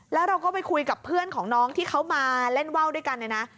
แล้วเราก็ไปคุยกับเพื่อนของน้องที่เขามาเล่นว่าวด้วยกันเนี่ยนะ